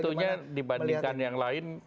tentunya dibandingkan yang lain